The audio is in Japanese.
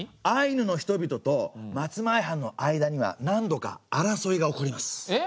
アイヌの人々と松前藩の間には何度か争いが起こります。